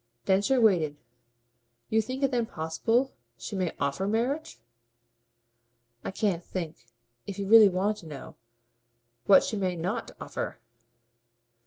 Densher waited. "You think it then possible she may OFFER marriage?" "I can't think if you really want to know what she may NOT offer!"